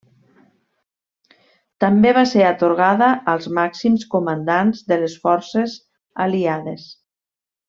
També va ser atorgada als màxims comandants de les Forces Aliades.